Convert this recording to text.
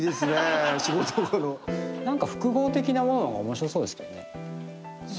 何か複合的なものの方が面白そうですけどね。